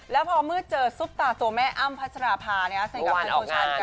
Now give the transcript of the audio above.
แล้วพอเมื่อเจอซุปตาโสแม่อ้ำพัชราภาในการผ่านโชว์ช่ายกัน